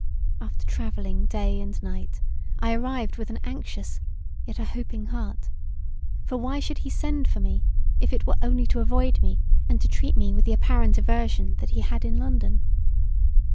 After travelling day and night I arrived with an anxious, yet a hoping heart, for why should he send for me if it were only to avoid me and to treat me with the apparent aversion that he had in London.